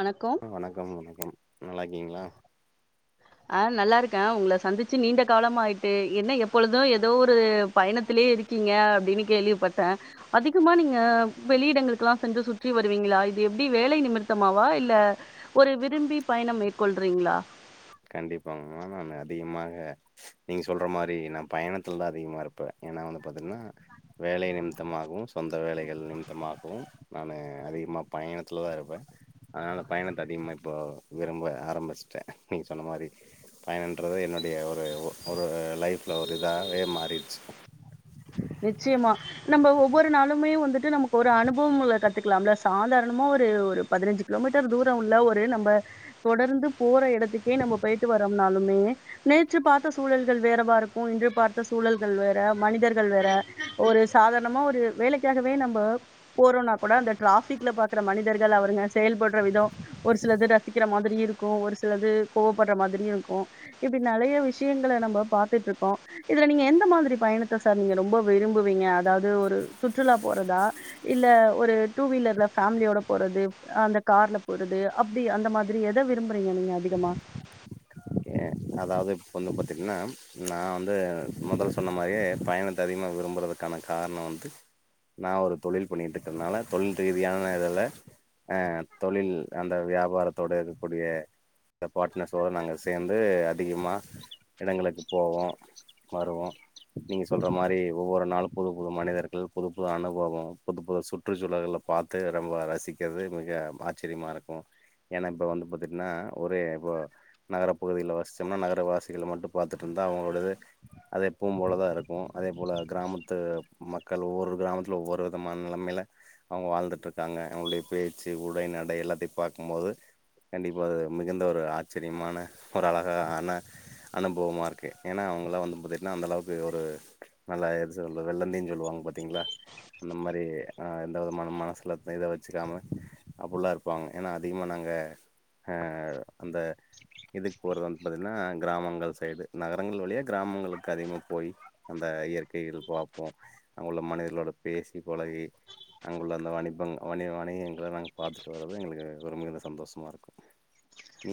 வணக்கம் வணக்கம் வணக்கம் நல்லாருக் அப்டிங்களா ஆஹ் நல்லாருக்கே உங்கள சந்திச்சு நீண்ட காலமா ஆயிட்டு என்ன எப்பொழுது ஏதோ ஒரு பயணத்திலேயே இருக்கீங்க அப்டின்னு கேள்விப்பட்டே அதிகமா நீங்க வெளியிடங்களுக்கெல்லா சென்று நீங்க சுற்றி வருவீங்களா இது எப்டி வேலை நிமித்தமாவா இல்ல ஒரு விரும்பி பயணம் மேற்கொள்றீங்களா கண்டிப்பாங்க நா நே அதிகமாக நீங்கள் சொல்ற மாரி நா பயணத்துல தா அதிகமாக இருப்பே ஏனா வந்து பாத்தீங்ன்னா வேலை நிமித்தமாகவு சொந்த வேலைகள் நிமித்தமாகவு நானு அதிகமாக பயணத்துல தா இருப்பே அதனால பயணத்தை அதிகமாக இப்போ விரும்ப ஆரம்பிச்சட்டே நீங்க சொன்ன மாரி பயனன்றது என்னுடைய ஒரு ஒரு லைஃப்புல ஒரு இதாவே மாறிடுச்சு நிச்சயமா நம்ம ஒவ்வொரு நளுமே வந்துட்டு நமக்கு ஒரு அனுபவம்ள கத்துக்கலாம்ல சாதாரணமா ஒரு ஒரு பதினஞ்சு கிலோமீட்டர் தூரம் உள்ள ஒரு நம்ம தொடர்ந்து போற இடத்துக்கே நம்ம போயிட்டு வறோம்னாலுமே நேற்று பார்த்த சூழல்கள் வேறவாருக்கும் இன்று பார்த்த சூழல்கள் வேற மனிதர்கள் ரன்கள் வேற ஒரு சாதாரணமா ஒரு வேலைக்காகவே நம்ம போறோனா கூட அந்த ட்ராஃபிக்ல பாக்கற மனிதர்கள் அவர்ங்க செயல்படுற விதோ ஒரு சிலது ரசிக்கிற மாதிரி இருக்கு ஒரு சிலது கோவப்படுற மாதிரி இருக்கு இப்புடி நெறைய விஷயங்கள நம்ம பாத்துட்டுருக்கோ இதுல நீங்க எந்த மாதிரி பயணத்த சார் நீங்க ரொம்ப விரும்புவீங்க அதாவது ஒரு சுற்றுலா போறதா இல்ல ஒரு டூ வீலர்ல ஃபேமிலியோட போறது அந்த கார்ல போறது அப்புடி அந்த மாதிரி எத விரும்புறீங்க நீங்க அதிகமா ஓகே அதாவது இப்பல்லா பாத்தீங்ன்னா நா வந்து மொதல்ல சொன்ன மாதிரியே பயணத்த அதிகமா விரும்புறதுக்கான காரணோ வந்து நா ஒரு தொழில் பண்ணிட்டு இருக்கறனால தொழில் ரீதியான இதுல அ தொழில் அந்த வியாபாரத்தோட இருக்கக்கூடிய பார்ட்னஸோட நாங்க சேர்ந்து அதிகமா இடங்களுக்கு போவோ வருவோ நீங்க சொல்ற மாரி ஒவ்வொரு நளு புது புது மனிதர்கள் புது புது அனுபவே புது புது சுற்றுச்சூழளை பாத்து ரொம்ப ரசிக்கறது கொஞ்சோ ஆச்சரியமாருக்கு ஏனா இப்போ வந்து பாத்தீன்னா ஒரே இப்போ நகர பகுதியில வஸு சென்ன நகரவாசிகள மட்டு பாத்துட்டுருந்தா அவுங்ளோடது எப்போது போலதாருக்கு அதே போல கிராமத்து மக்கள் ஒவ்வொரு கிராமத்துல ஒவ்வொரு விதமான நெலைமையில அவுங்க வாழ்ந்துட்டுருக்காங்க அவுங்களுடைய பேச்சு உடை நடை எல்லாத்தையு பாக்கும்போது கண்டிப்பா அது மிகுந்த ஒரு ஆச்சரியமான ஒரு அழகா ஆன அனுபவமருக்கு ஏனா அவுங்களா வந்து பாத்தீட்டன்னா அந்தளவுக்கு ஒரு நல்ல இது சொல் வெள்ளந்தின்னு சொல்லுவாங்க பாத்தீங்களா அந்த மாரி எந்தவிதமான மனசில எதயு வச்சுக்காம அப்பற்லா இருப்பாங்க ஏனா அதிகமாக நாங்க அந்த இதுக்கு போறது வந்து பாத்தீங்கன்னா கிராமங்கள் சைடு நகரங்கள் வழியாக கிராமங்களுக்கு அதிகமாக போய் அந்த இயற்கைகள் பாப்போ அங்கே உள்ள மனிதர்களோட பேசி பழகி அங்குள்ள அந்த வணிப வணிக வணிகங்களை நாங்கள் பாத்துட்டு வரது எங்களுக்கு ஒரு மிகுந்த சந்தோஷமாருக்கு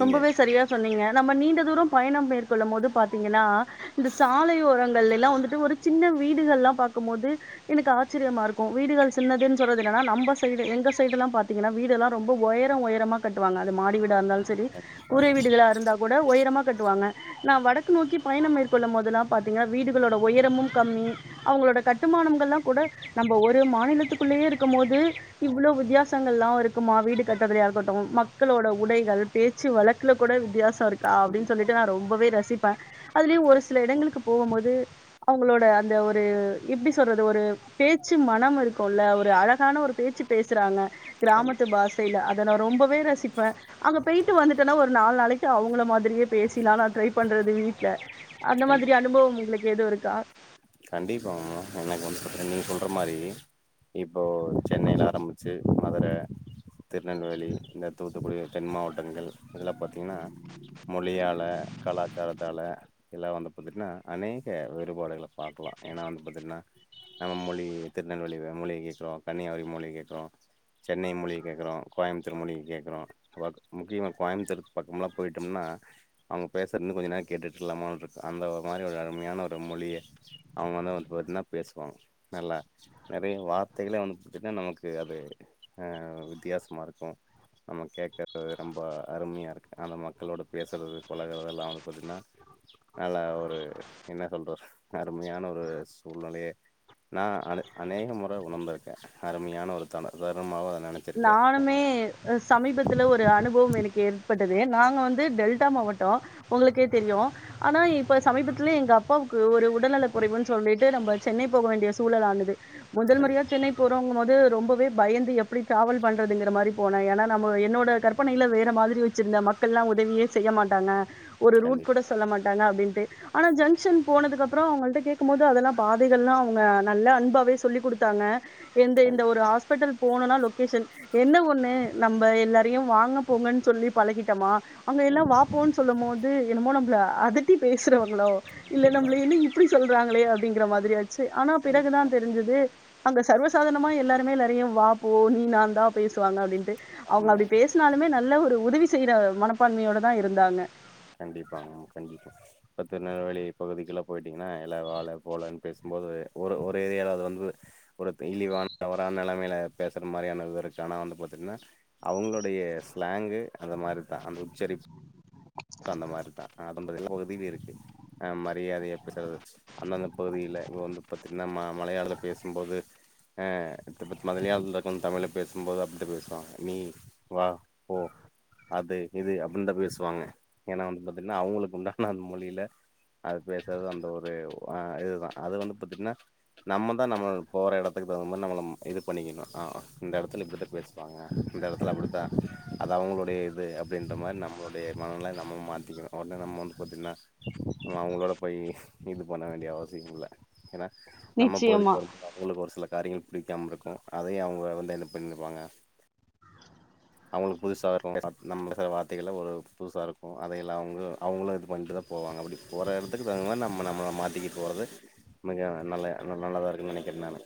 ரொம்பவே சரியா சொன்னீங்க நம்ம நீண் தூரோ பயணம் மேற்கொள்ளும் போது பாத்தீங்கன்னா இந்த சாலையோரங்கள்ள எல்லாம் வந்துட்டு ஒரு சின்ன வீடுகல்லாம் பாக்கும்போது எனக்கு ஆச்சரியமாருக்கு வீடுகள் சின்னதுன்னு சொல்றது இன்னான்னா நம்ம சைடு எங்க சைடுல்லா பாத்தீங்கன்னா வீடெல்லா ரொம்ப ஒயரே ஒயரமா கட்டுவாங்க அது மாடி வீடா இருந்தா கண்டிப்பாங்க கூறை வீடுகளா இருந்தா கூட உயரமாக் கட்டுவாங்க நா வடக்கு நோக்கி பயணம் மேற்கொள்ளும் போதெல்லா பாத்தீங்கன்னா வீடுகளோட உயரமும் கம்மி அவுங்களோட கட்டுமானங்களாம் கூட நம்ம ஒரே மாநிலத்துக்குள்ளயே இருக்கும் போது இவ்ளோ வித்தியாசங்கள்லாம் இருக்குமா வீடு கட்டறதுல்லய இருக்கட்டும் மக்களோட உடைகள் பேச்சு வழக்குல கூட வித்தியாசம் இருக்கா அப்டின்னு சொல்லிட்டு கண்டிப்பாங்க நா ரொம்பவே ரசிப்பே அதுலயு ஒரு சில இடங்களுக்கு போகும்போது அவுங்களோட அந்த ஒரு எப்பிடி சொல்றது ஒரு பேச்சு மனம் இருக்கும்ல்ல ஒரு அழகான ஒரு பேச்சு பேசுறாங்க கிராமத்து கண்டிப் பாஷையில அதை நா ரொம்பவே ரசிப்பே அங்கப் பேயிட்டு வந்துட்டன்னா ஒரு நாலு நாளைக்கி அவுங்கள மாதிரியே பேசிலா நா ட்ரை பண்றது வீட்டுல அந்த மாதிரி அனுபவே உங்களுக்கு எதுவுருக்கா கண்டிப்பா ஆமா எனக்கு வந்து பத்தீன்னா நீங்க சொல்ற ல்றமாரி இப்போ சென்னையில ஆரம்பிச்சு மதுர திருநெல்வேலி இந்த தூத்துக்குடி தென் மாவட்டங்கள் இதெல்லா பத்தீங்கன்னா மொழியால கலாச்சாரத்தால இதெல்லா வந்து பாத்தீங்கன்னா அநேக வேறுபாடுகள் பார்க்கலா ஏன்னா வந்து பாத்தீங்கன்னா நம்ம மொழி திருநெல்வேலி மொழி கேக்குறோ கன்னியாகுமரி மொழி கேக்குறோ சென்னை மொழிய கேக்குறோ முக்கியமா கோயமுத்தூர் மொழிய கேட்கறோம் வாக் முக்கியமா கோயமுத்தூர் பக்கம்மெல்லாம் போயிட்டோம்னா அவங்க பேசற் இன்னு கொஞ்சம் நேரம் கேட்டுட்டு இருக்கலாமா இருக்கு அந்த மாரி ஒரு அருமையான ஒரு மொழிய அவங்க வந் வந்து பாத்தீன்னா பேசுவாங்க நல்லா நெறைய வார்த்தைகளே வந்து பாத்தீங்கன்னா நமக்கு அது ஆஹ் வித்தியாசமா இருக்கு நம்ம கேக்குற ரொம்ப அருமையா இருக்கு அந்த மக்களோட பேசுறது பழகுறது எல்லா வந்து பாத்தீன்னா நல்லா ஒரு என்ன சொல்றது அருமையான ஒரு சூழ்நிலையே நா அநே அநேக முறை உணர்ந்திருக்கே அருமையான ஒரு தன தருணமாவு நெனச்சிருக்கே நானுமே சமீபத்துல ஒரு அனுபவம் எனக்கு ஏற்பட்டது நாங்க வந்து டெல் ல்ட்டா மாவட்டம் உங்களுக்கே தெரியும் ஆனா இப்ப சமீபத்துலயே எங்க அப்பாவுட் ஓ ஒரு உடல்ல குறைவுன்னு சொல்லிட் நம்ப சென்னை போக வேண்டிய சூழலானது முதல் கண் முறையா சென்னை போறவங்க போது ரொம்போ பே பயந்து எப் ப்டிடிராவல் பண்றதுங்கிற மாரி போன ஏன்னா நம்ம என்னோட கற்பனையில வேற மாரி வெச்சிருந்த மக் ல்லாம் உதவியே செய்ய மாட்டாங்க ஒரு ரூட் கண்டி கூட சொல்ல மாட்டாங்க அப்டின்ட்டு ஆனா ஜங்ஷன் போனதுக்கு அப் அப்புறோ அவங்கள்ட கேட்கும்போது அதெல்லா பாதைகள்ளா அவங்க நல்ல அன்பாவே சொல்லிக் குடுத்தாங்க எந்த இந்த கண் ஒரு ஹாஸ்பிட்டல் போனன்னா லொக் கேஷன் என்ன ஒண்ணு நம்ம எல்லாரையும் வாங்க போங்கன்னு சொல்லி பழகிட்டமா அங்க எல்லா ம் வா போன்னு சொல்லும் போது என்னமோ நம்மல அதட்டி பேசுறவங்களோ இல்ல கண்டிப்பா நம்மல என்ன இப்பிடி சொல்றாங்களே அப்டிங்கற மாரியாச்சு ஆனா பிறகுதா கண்டிப்பா தெரிஞ்சது அங்க சர்வசாதரனமா எல்லாருமே நெறைய வா ஓ நீ நா தா பேசுவாங்க அப்டின்ட்டு அவங்க ஆமா அப்டி பேசினாலுமே நல்ல ஒரு உதவி செய்யற மனப்பான்மையோடதா இருந்தாங்க கண்டிப்பாங்க கண்டிப்பா இப்ப திருநெல்வேலி பகுதிக்கு எல்லாம போயிட்டீங்கன்னா எல்ல வாழ போலன்னு பேசும்போது ஒரு ஒரு ஏரியில அது வந்து ஒரு இழி அந்த மாரிதா அதுன்றது எல்ல பகுதியில இருக்கு ஆஹ் மரியாதையா பேசுறது அந்தந்த பகுதியில வந்து பாத்தீங்கன்னா மலையாளத்துல பேசும்போது அஹ் மலையாளத்து இருந்து தமிழ் பேசும்போது அப்ட்தா பேசுவாங்க நீ வா ஓ அது இது அப்டின்னுதா பேசுவாங்க ஏன்னா வந்து பாத்தீங்கன்னா அவங்களுக்கு உண்டான அந்த மொழியில அது பேசுறது அந்த ஒரு ஆஹ் இதுதா அது வந்து பாத்தீங்கன்னா நம்மதா நம்ம போற இடத்துக்கு தகுந்த மாரி நம்ல நம் இது பண்ணிக்கணு ஆஹ் இந்த எடத்துல இப்பிடித்தா பேசுவாங்க இந்த எடத்துல அப்டித்தா அது அவங்களுடைய இது அப்டின்ற மாரி நம்மளுடைய மனநிலை நம்ம மாத்திக்கணு உடனே நம்ம வந்து பார்த்தீங்கன்னா அவங்களோட போய் இது பண்ண வேண்டிய அவசியம் இல்ல நம்ம பகுதிக்கு நிச்சயமா வரும்போது அவங்களுக்கு ஒரு சில காரியங்கள் பிடிக்காமல் இருக்கு அதயு அவங்க வந்து என்ன பண்ணிருப்பாங்க அவங்களுக்கு புதுசா வரு [unintelligible] நம்ம ச வார்த்தைகள்ல ஒரு புதுசா இருக்கு அதையெல்ல அவங்க அவங்களும் இது பண்ணிட்டுதா போவாங்க அப்டி போற எடத்துக்கு தகுந்த மாரி நம்ம நம்மளை மாத்திக்க போறது மிக நல்ல நல்லதா இருக்குன்னு நெனைக்கிற நானு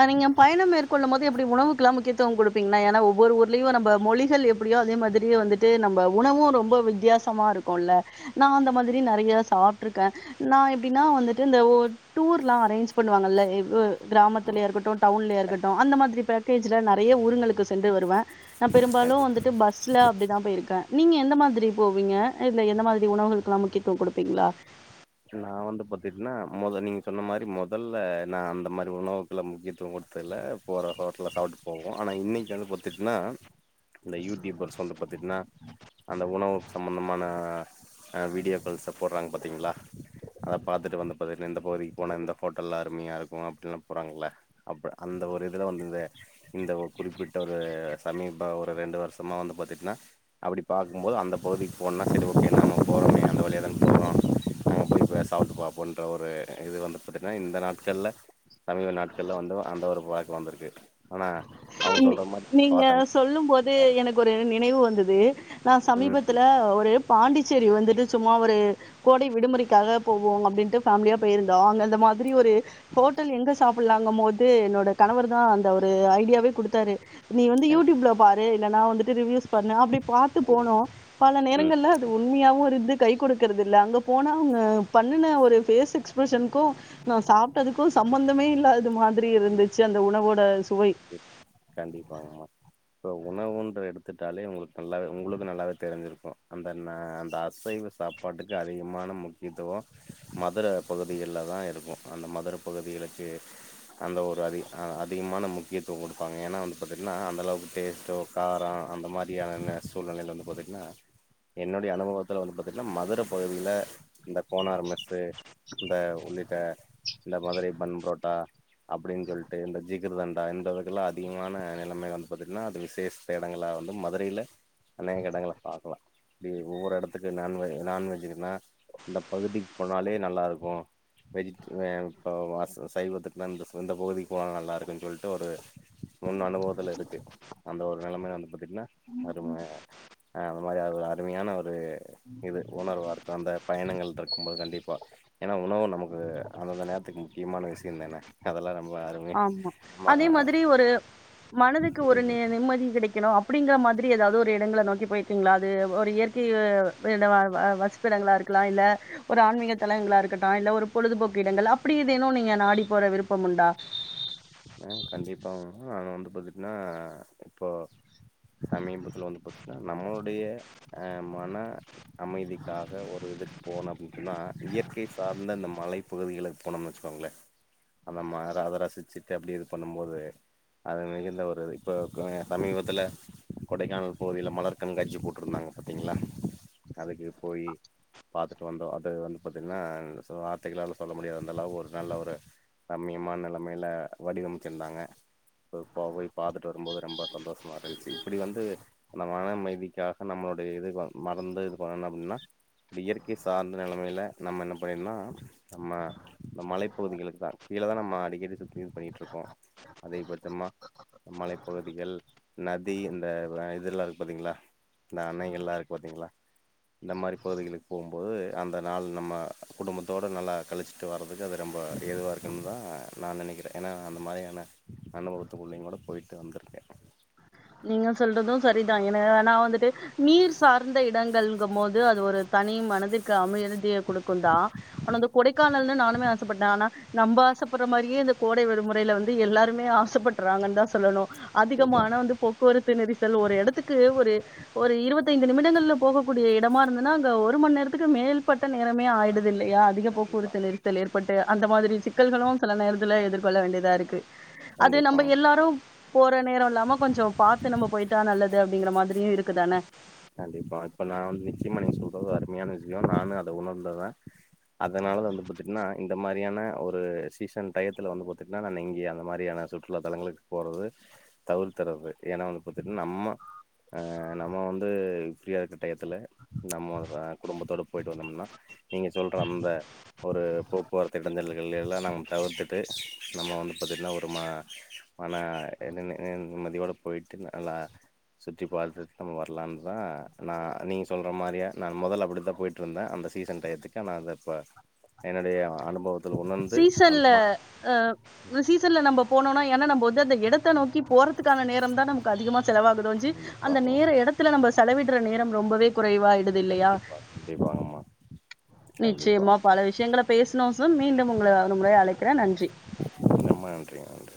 அ நீங்க பயணம் மேற்கொள்ளும் போது எப்பிடி உணவுக்குல்லாம் முக்கியத்துவம் குடுப்பீங்கன்னா ஏன்னா ஒவ்வொரு ஊர்லயும் நம்ம மொழிகள் எப்படியோ அதே மாதிரியே வந்துட்டு நம்ம உணவும் ரொம்ப வித்தியாசமா இருக்கும்ல்ல நா அந்த மாரி நெறைய சாப்பிட்டு இருக்க நா எப்டின்னா வந்துட்டு இந்த ஓர் டூர் எல்லா அரேஞ்ச் பண்ணுவாங்கல்ல எ கிராமத் லேய இருக்கட்டு டவுன்லய இருக்கட்டு அந்த மாரி பேக்கேஜ்ல நெறைய ஊருங்களுக்கு சென்று வருவ நா கண்டிப்பா பெரும்பாலும் வந்துட்டு பஸ்ல அப்டிதா போயிருக்க நீங்க எந்த மாதிரி போவீங்க இதுல எந்த மாதிரி உணவுகளுக்கு எல்லா முக்கியத்துவம் குடுப்பீங்களா நா வந்து பாத்தட்டுன்னா முத நீங்க சொன்ன மாதிரி முதல்ல நா அந்த மாரி உணவுக்குல்லா முக்கியத்துவம் குடுத்ததுல்ல போற ஹோட்டல்ல சாப்பிட்டு போவோம் ஆனா இன்னிக்கு வந்து பாத்திட்டுங்கன்னா இந்த யூடியூபர் வந்தீ பாத்தீட்னா அந்த உணவு சம்பந்தமான வீடியோகள்ச போட்றாங்க பாத்தீங்களா அத பாத்துட்டு வந்து பாத்திங்கனா இந்த பகுதிக்கு போன இந்த ஹோட்டல்ல அருமையா இருக்கு அப்டின்ல்லா போட்றாங்கள்ள அப்ப அந்த ஒரு இதுல வந்து இந்த இந்த குறிப்பிட்ட ஒரு சமீப ஒரு ரெண்டு வருஷமா வந்து பாத்திங்கனா அப்டி பாக்கும்போது அந்த பகுதிக்கு போன்னா அந்த வழியாதான போறோ நம்ப போய் சாப்ட்டு பாப்போம்ன்ற ஒரு இது வந்து பாத்தீங்கன்னா இந்த நாட்கள்ல சமீப நாட்கள்ல வந்து அந்த ஒரு பழக்கம் வந்திருக்கு ஆனா அவங்க சொல்ற மாரி நீங்க பாத்தோம்னா சொல்லும் போது நல்லா இருக்கு எனக்கு ஒரு நினைவு வந்துது நா ம் சமீபத்துல ம் ஒரு பாண்டிச்சேரி வந்து சும்மா ஒரு கோடை விடுமுறைக்காக போவோ அப்டின்ட்டு பேமிலியா போயிருந்தோ அங்க வந்து த மாதுரி ஒரு ஹோட் டுல் எங்க சாப்புட்லாங்க மோது என்னோட கணவர் தா அந்த ஒரு ஐடியா வே குடுத்தாரு நீ வந்து கண்டிப்பா யூட்யூப்ல பாரு இல்லனா வந்துட்டு ரிவியூஸ் பண்ணு அப்டி பாத்து போனா கண்டிப்பா பல ம் நேரங்கள்ல அது உண்மியாவு இருந்து கை குடுக் கிற்துல்ல அங்க போனா அவுங்க பண்னுன ஒரு பேஸ் எக்ஸ்பிரஷன்க்கு நா சாப்ட்டதுக்கு சம்மந்தமே இல்லாது மாத் துரி கண்டிப்பா இருந்துச்சு அந்த உணவோட சுவை கண்டிப்பாங்ம்மா இப்போ உணவுன்ற எடுத்துட்டாலே உங்களுக்கு நல்லாவே உங்ளுக்கு நல்லாவே தெரிஞ்சிருக்கு அந்த ந அந்த அசைவ சாப்பாட்டுக்கு அதிகமான முக்கியத்துவொ மதுர பகுதிகள்லதா இருக்கு அந்த மதுர பகுதிகளுக்கு அந்த ஒரு அதிக அ அதிகமான முக்கியத்துவொ குடுப்பாங்க ஏன்னா வந்து பத்தீங்னா அந்தளவுக் டேஸ்ட்டோ காரொ அந்த மாரியானன்ன சூழ்நிலைல் வந்து பாத்தீங்னா என்னுடைய அனுபவத்துல வந்து பத்தீங்னா மதுர பகுதில இந்த கோனார் மெஸ்ஸு இந்த உள்ளிட்ட இந்த மதுரை பன் புரோட்டா அப்புடின் சொல்ட்டு இந்த ஜிகிர்தண்டா இந்த வக்குல அதிக்மான நெலமை வந்து பத்தீங்னா அது விசேஸ்த்த எடங்குள வந்து மதுரைல அன்னேங் எடங்குள பாக்குலா டி ஒவ்வொரு எடத்துக்கு நான்வ நான்வெஜுக்னா இந்த பகுதிக் போனாலே நல்லாருக்கு வெஜ்ட் வே அப்போ வாஸ்வ சைவதுக்கு வந்துஃபு இந்த பகுதிக் போலா நல்லாருக்குன் சொல்ட்டு ஒரு முன் அனுபவத்துல இருக்கு அந்த ஒரு நெலமை வந்து பாத்தீங்ன்னா அரும அந்த மாரி அது ஒரு அருமையான ஒரு இது உணர்வாருக்கு அந்த பயணங்கள் ட்ருக்கும்மோது கண்டிப்பா ஏன்னா உணவு நமக்கு அந்தந்த நேர்த்துக்கு முக்கியமான விசியந்தேன அதெல்லா நம் ஆம்மா அதே மதுரி ஒரு மனதுக்கு ஒரு நே நிம்மதி கெடக்கிணு அப்புடிங்குற மாத்ரி ஏதாவ்து ஒர் ரி இடங்கள நோக்கி போய்ருக்கிங்ளா அது ஒரு இயற்கை [unintelligible] வசிப்பிடங்ளா இருக்லா இல்ல ஒரு ஆன்மீக தளங்குகளா இருக்கட்டா இல்ல ஒரு பொழுதுபோக்கு இடங்கள் அப்டி ஏதேனு நீங்க நாடி போற விருப்பம் உண்டா அ கண்டிப்பாவு அங்க வந்து பக்கிட்னா இப்போ சமீபத்துல வந்து பாத்னா நம்முளுடைய அ மன அமைதிக்காக ஒரு இதுக் போகணு அப்டின் சொன்னா இயற்கை சார்ந்த இந்த மலைப்பகுதிகளுக்கு போனோம்னு வச்சக்கோங்ளே அந்த ம அத ரசிச்சு எப்டி இது பண்ணமோது அது மிகுந்த ஒரு இப்போ ப்ளய சமீபத்துல கொடைக்கானல் பகுதில மலர் கன்காக்சி போட்டுருந்தாங்க பத்தீங்ளா அதுக்கு போயி பாத்துட்டு வந்தோ அது வந்து பத்தீங்ன்னா வார்த்தைகளால சொல்ல முடியாத அந்த அளவு ஒரு நல்ல ஒரு ரம்மியமான் நெலமைல வடிவம்ச்சிருந்தாங்க ப பா பொய் பாத்துட்டு வரும்போது ரொம்ப சந்தோஷமா இருந்துச்சு இப்புடி வந்து அந்த நம் வானமைதிக்காக நம்மளுடைய இது வ மறந்து இது பண்ணனு அப்டின்னா இப்டி இயற்கை சார்ந்த நிலமைல நம்ம என்ன பயன்னா நம்ம இந்த மலைப்பகுதிகளுக்குதா கீழ தா நம்ம அடிக்கடி சுற்றிருப்பெயின் ட்ருகு அதே பட்சமா மலைப்பகுதிகள் நதி இந்த வ இதுல்லா இருக்கு பாத்தீங்ளா இந்த அனைகள்லா இருக்கு பாத்தீங்ளா இந்த மாரி பகுதிகளுக்கு போம்போது அந்த நாள் நம்ம குடும்பத்தோடு நல்லா கழிச்சிட்டு வர்றதுக்கு அது ரொம்ப ஏதுவா இருக்குன்தா நா நெனக்கிறே ஏன்னா அந்த மாரியான அனுபவத்துக்குள்ளைங்ளோட பொய்ட்டு வந்துருக்கே ங்க சொல்றது சரிதா எனா நா வந்துட்டு நீர் சார்ந்த இடங்கள்ங்கமோது அது ஒரு தனி மனதிற்கு அமையுள் இதிய குடுக்குந்தா ஒன் அந்த கொடைக்கானல்ல நானுமே ஆசப்பட்ட ஆனா நம்ப ஆஸ் சப்பட்ற மாரியே இந்த கோடை விடுமுறைல வந்து எல்லாருமே ஆசைப்பட்றாங்கன்னுதா சொல்லணு கண்டிப்பா அதிகமான வந்து நெரிசல் ஒரு எடத்துக்கு ஒரு ஒரு இருவைத்து ஐந்து நிமிடங்கள்ல போகக்கூடிய இடமா இருந்துன்னா அங்க ஒரு மண் நேர்த்துக்கு மேல்பட்ட நேரமே ஆயிடுது இல்லையா அதிக கண்டிப்பா போக்குவரத்துல் நெரிசல் ஏற்பட்டு அந்த மாதிரி சிக்கல்களு செல நேரத்துல எதிர்கொள்ள வேண்டியதா இருக்கு அது கண்டிப்பா நம்ம எல்லாரு போற நேர இல்லாம கொஞ்ச பாத்து நம்ம போயிட்டா நல்லது அப்படிங்கிற மாதிரியு இருக்குதான கண்டிப்பா இப்ப நா வந்து நிச்சயமா நீங்க சொல்றது அருமையான விஷய நானு அத உணர்ந்ததா அதனால வந்து பாத்துட்டினா இந்த மாதிரியான ஒரு சீசன் டயத்துல வந்து பாத்துட்டினா நா எங்கயு அந்த மாதிரியான சுற்றுலா தலங்களுக்கு போறது தவிர்த்தர்றது ஏனா வந்து பாத்துட்டினா நம்ம ஆ நம்ம வந்து ஃப்ரீயா இருக்க டயத்தில நம்ம குடும்பத்தோட போயிட்டு வந்தம்னா நீங்கள் சொல்ற அந்த ஒரு போக்குவரத்து இடைஞ்சல்கள்ல எல்லா நம் தவிர்த்துட்டு நம்ம வந்து பாத்துட்டினா ஒரு ம மன நி நி நிம்மதியோட போயிட்டு நல்லா சுற்றி பார்த்துட்டு நம்ம வ ர்லான்தா நா நீங்க சொல்ற மாரியா நா மொதல்ல அப்டித்தா போயிட்ருந்தே அந்த சீசன் டயத்துக்கு நா அத இப்ப என்னுடைய அனுபவத்துல உணர்ந்து அந்த சீசன்ல மாரி அ சீசன்ல நம்ம போனோனா ஏனா நம்ம வ ந்து அந்த எடத்த நோக்கி போறதுக்கான நேரந்தா ந மக்கு அதிகமா செலவாகுதோஞ்சி அந்த கண்டிப்பாக நேர எடத்துல நம்ம செலவிடுற நேரம் ரொம்பவே குறைவாயிடுது இல்லையா கண்டிப்பா கண்டிப்பாங்கம்மா கண்டிப்பா நிச்சயமா பல விஷயங்கள பேசனும் சர் மீண்டும் உங்களை ஒருமுறை அழைக்கிறே நன்றி ரொம்ப நன்றிங்க நன்றி